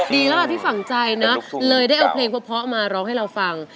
ดีแล้วล่ะที่ฝังใจนะเลยได้เอาเพลงเพราะมาร้องให้เราฟัง